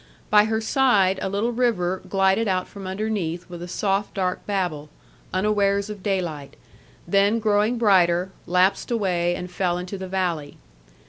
By her side a little river glided out from underground with a soft dark babble, unawares of daylight; then growing brighter, lapsed away, and fell into the valley.